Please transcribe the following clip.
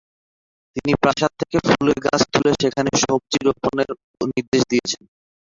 তিনি প্রাসাদ থেকে ফুলের গাছ তুলে সেখানে সবজি রোপণের নির্দেশ দেন।